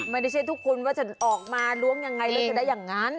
ไม่ใช่ทุกคนว่าจะออกมาล้วงยังไงแล้วจะได้อย่างนั้น